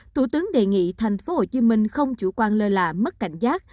thủ tướng đề nghị thành phố hồ chí minh không chủ quan lơ là mất cảnh giác